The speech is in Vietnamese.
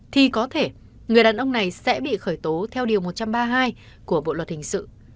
thì có thể người đàn ông này sẽ bị khởi tố theo điều một trăm ba mươi hai của bộ luật hình sự